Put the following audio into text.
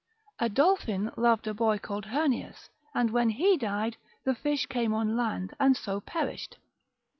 A dolphin loved a boy called Hernias, and when he died, the fish came on land, and so perished.